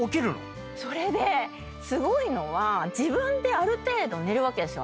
それですごいのは自分である程度寝るわけですよ。